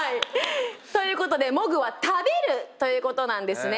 ということでモグは食べるということなんですね。